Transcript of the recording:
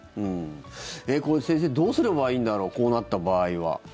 先生、どうすればいいんだろうこうなった場合は。